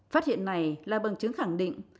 phát hiện này là bằng chứng khẳng định